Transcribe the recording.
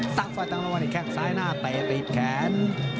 สร้างฝ่ายตั้งละวันอีกแค่งซ้ายหน้าเปรียบแขน